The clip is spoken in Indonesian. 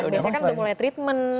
biasanya kan udah mulai treatment